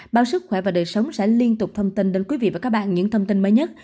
báo sức khỏe và đời sống sẽ liên tục thông tin đến quý vị và các bạn những thông tin mới nhất